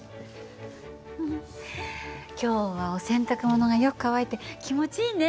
フフッ今日はお洗濯物がよく乾いて気持ちいいね。